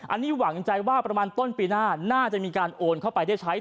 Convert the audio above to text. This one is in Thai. อันนี้หวังใจว่าประมาณต้นปีหน้าน่าจะมีการโอนเข้าไปได้ใช้